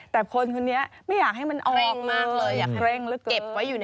แต่คนคนนี้ไม่อยากให้มันออกเลยอยากให้มันเก็บไว้อยู่ในนี้